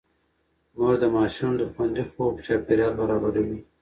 مور د ماشوم د خوندي خوب چاپېريال برابروي.